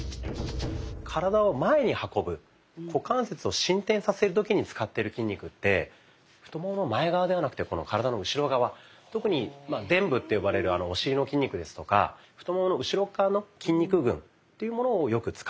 体を前に運ぶ股関節を伸展させる時に使ってる筋肉って太ももの前側ではなくて体の後ろ側特にでん部って呼ばれるお尻の筋肉ですとか太ももの後ろ側の筋肉群っていうものをよく使ってるんですね。